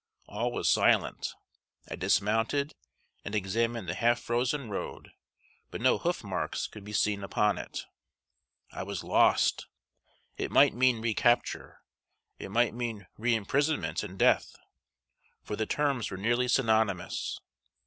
All was silent. I dismounted, and examined the half frozen road, but no hoof marks could be seen upon it. I was lost! It might mean recapture it might mean reimprisonment and death, for the terms were nearly synonymous.